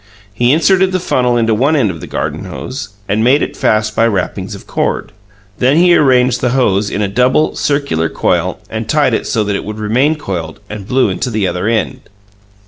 He inserted the funnel into one end of the garden hose, and made it fast by wrappings of cord. Then he arranged the hose in a double, circular coil, tied it so that it would remain coiled, and blew into the other end.